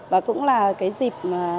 và cũng là cái dịp